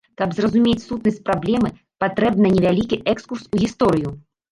Каб зразумець сутнасць праблемы, патрэбны невялікі экскурс у гісторыю.